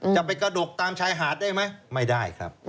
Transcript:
จะไปกระดกตามชายหาดได้ไหมไม่ได้ครับ